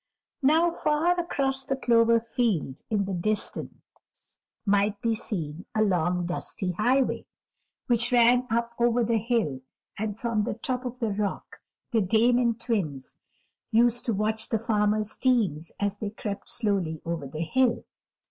Now far across the clover field in the distance might be seen a long, dusty highway, which ran up over the hill, and from the top of the rock the Dame and Twins used to watch the farmer's teams as they crept slowly over the hill.